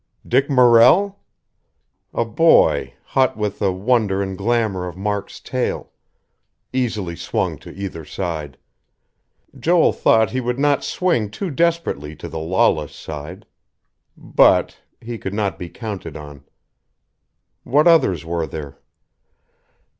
Dick Morrell? A boy, hot with the wonder and glamor of Mark's tale. Easily swung to either side. Joel thought he would not swing too desperately to the lawless side. But he could not be counted on. What others were there?